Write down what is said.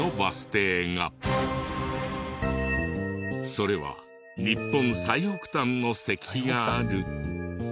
それは日本最北端の石碑がある。